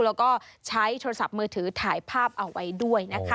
แล้วก็ใช้โทรศัพท์มือถือถ่ายภาพเอาไว้ด้วยนะคะ